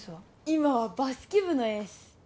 今はバスケ部のエース